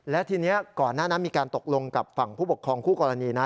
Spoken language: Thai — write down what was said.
และทีนี้ก่อนหน้านั้นมีการตกลงกับฝั่งผู้ปกครองคู่กรณีนะ